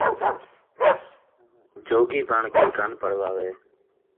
جوڳی بݨ کے کن پڑواوے